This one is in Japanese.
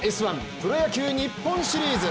プロ野球日本シリーズ。